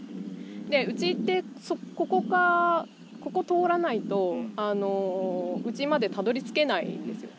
でうちってここを通らないとあのうちまでたどりつけないんですよ。